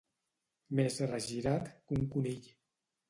Més regirat que un conill.